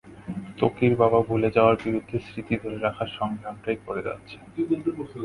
ত্বকীর বাবা ভুলে যাওয়ার বিরুদ্ধে স্মৃতি ধরে রাখার সংগ্রামটাই করে যাচ্ছেন।